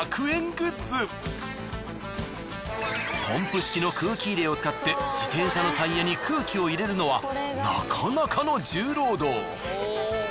ポンプ式の空気入れを使って自転車のタイヤに空気を入れるのはなかなかの重労働。